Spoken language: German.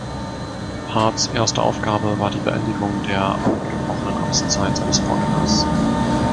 Harts erste Aufgabe war die Beendigung der angebrochenen Amtszeit seines Vorgängers.